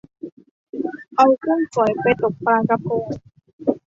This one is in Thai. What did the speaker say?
เอากุ้งฝอยไปตกปลากะพง